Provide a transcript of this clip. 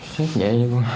xét nhẹ cho con